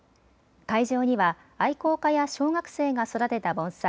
会場には愛好家や小学生が育てた盆栽